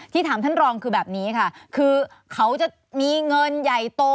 ถามท่านรองคือแบบนี้ค่ะคือเขาจะมีเงินใหญ่โต